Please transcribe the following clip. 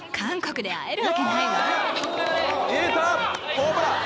ホームラン！